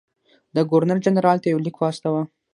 ده ګورنرجنرال ته یو لیک واستاوه.